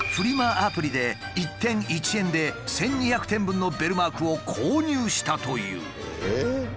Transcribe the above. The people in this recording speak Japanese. アプリで１点１円で１，２００点分のベルマークを購入したという。